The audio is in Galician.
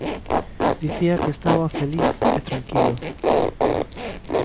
Dicía que estaba feliz e tranquilo.